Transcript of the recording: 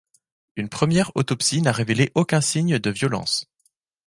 Une première autopsie n'a révélé aucun signe de violence.